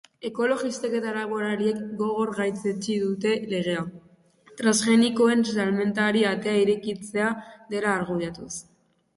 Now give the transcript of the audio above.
Ekologistek eta laborariek gogor gaitzetsi dute legea, transgenikoen salmentari atea irekitzea dela argudiatuz.